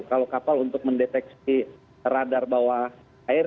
kalau kapal untuk mendeteksi radar bawah air